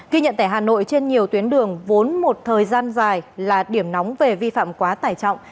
ghi nhận tại hà nội trên nhiều tuyến đường vốn một thời gian dài là điểm nóng về vi phạm quá tải trọng